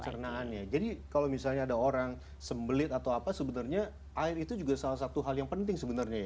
pencernaannya jadi kalau misalnya ada orang sembelit atau apa sebenarnya air itu juga salah satu hal yang penting sebenarnya ya